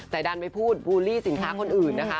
แต่ดันไปพูดบูลลี่สินค้าคนอื่นนะคะ